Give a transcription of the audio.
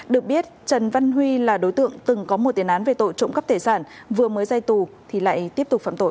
được biết trần văn huy là đối tượng từng có một tiền án về tội trộm cắp tài sản vừa mới ra tù thì lại tiếp tục phạm tội